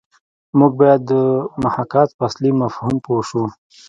موږ باید د محاکات په اصلي مفهوم پوه شو